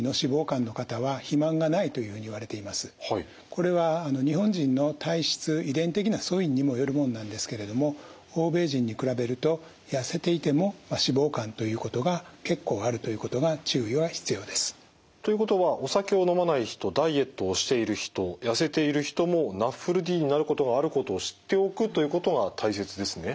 これは日本人の体質遺伝的な素因にもよるものなんですけれども欧米人に比べると痩せていても脂肪肝ということが結構あるということが注意は必要です。ということはお酒を飲まない人ダイエットをしている人痩せている人もＮＡＦＬＤになることがあることを知っておくということが大切ですね。